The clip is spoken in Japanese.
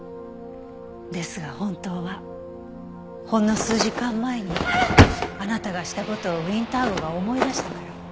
ですが本当はほんの数時間前にあなたがした事をウィンター号が思い出したから。